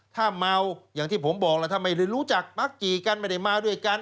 ถ้าเมาอย่างที่ผมบอกแล้วถ้าไม่ได้รู้จักมักกี่กันไม่ได้มาด้วยกัน